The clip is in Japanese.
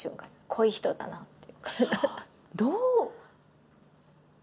濃い人だなって。